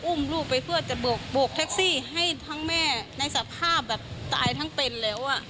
อุ้มลูกไปเพื่อจะโบกแท็กซี่ให้ทั้งแม่ในสภาพแบบตายทั้งเป็นแล้ว